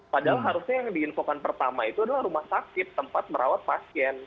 padahal harusnya yang diinfokan pertama itu adalah rumah sakit tempat merawat pasien